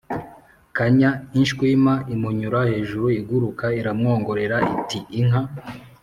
kanya, ishwima imunyura hejuru iguruka, iramwongorera, iti:" inka